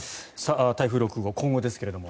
台風６号の進路ですが。